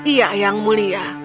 iya yang mulia